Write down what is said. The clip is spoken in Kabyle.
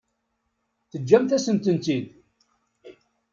Teǧǧamt-asent-ten-id.